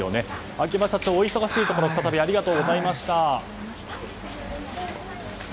秋葉社長、お忙しいところありがとうございました。